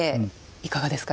いかがですか？